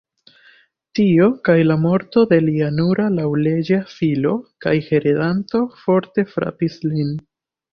Tio kaj la morto de lia nura laŭleĝa filo kaj heredanto forte frapis lin.